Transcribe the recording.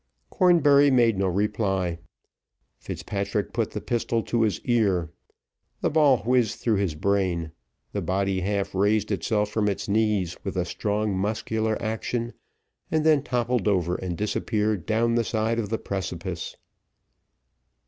Cornbury made no reply. Fitzpatrick put the pistol to his ear, the ball whizzed through his brain, the body half raised itself from its knees with a strong muscular action, and then toppled over and disappeared down the side of the precipice.